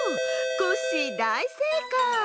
コッシーだいせいかい！